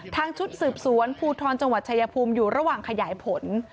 ชุดสืบสวนภูทรจังหวัดชายภูมิอยู่ระหว่างขยายผล